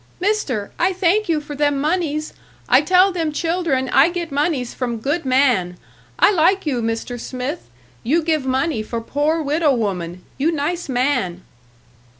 "Mister, I thank you for them moneys. I tell them children I get moneys from good man. I like you, Mister Smith, you give money for poor widow woman you nice man."